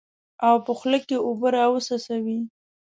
او په خوله کې اوبه راوڅڅوي.